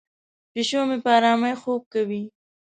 پیشو مې په آرامۍ خوب کوي.